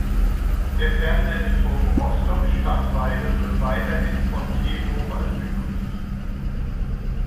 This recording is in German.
Der Fernmeldeturm Rostock-Stadtweide wird weiterhin von T-Mobile genutzt.